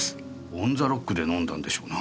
オン・ザ・ロックで飲んだんでしょうな。